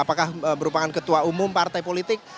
apakah berupakan ketua umum partai politik